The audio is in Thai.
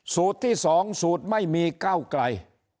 สูตรที่สองสูตรไม่มีก้าวกลัย